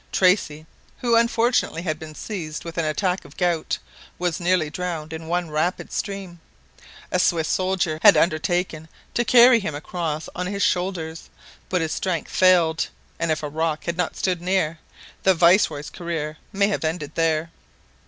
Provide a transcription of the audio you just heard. Tracy, who unfortunately had been seized with an attack of gout, was nearly drowned in one rapid stream. A Swiss soldier had undertaken to carry him across on his shoulders, but his strength failed, and if a rock had not stood near, the viceroy's career might have ended there.